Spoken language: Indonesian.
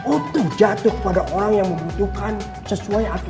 untuk jatuh pada orang yang membutuhkan sesuai aturan agama